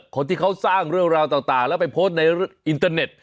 คนที่เขาสร้างเรื่องราวต่างแล้วไปโพสต์ในอินเตอร์เน็ต